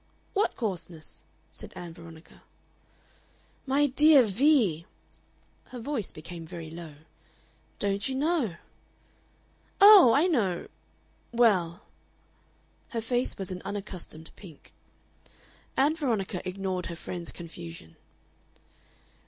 "What coarseness?" said Ann Veronica. "My dear Vee!" Her voice became very low. "Don't you know?" "Oh! I know " "Well " Her face was an unaccustomed pink. Ann Veronica ignored her friend's confusion.